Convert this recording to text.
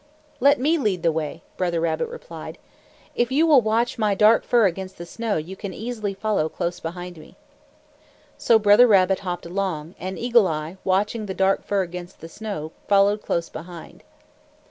"Let me lead the way," Brother Rabbit replied. "If you will watch my dark fur against the snow, you can easily follow close behind me." So Brother Rabbit hopped along, and Eagle Eye, watching the dark fur against the snow, followed close behind.